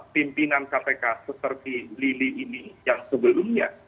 pimpinan kpk seperti lili ini yang sebelumnya